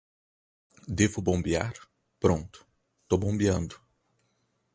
Devo bombear. Pronto, tô bombeando